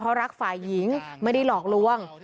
เพราะรักฝ่ายหญิงไม่ได้หลอกลวง